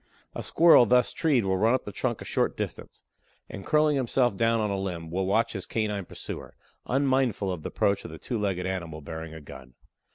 A Squirrel thus treed will run up the trunk a short distance, and curling himself down on a limb, will watch his canine pursuer, unmindful of the approach of the two legged animal bearing a gun.